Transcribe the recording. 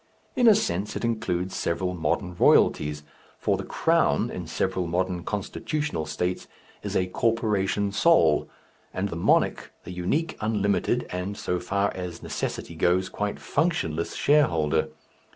In a sense it includes several modern royalties, for the crown in several modern constitutional states is a corporation sole, and the monarch the unique, unlimited, and so far as necessity goes, quite functionless shareholder.